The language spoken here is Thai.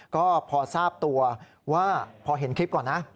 ก็พอทราบตัวว่าพอเห็นคลิปก่อนนะ